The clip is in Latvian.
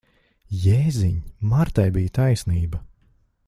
Jēziņ! Martai bija taisnība.